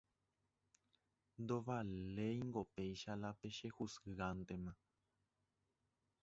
ndovaléingo péicha la pechejuzgántema.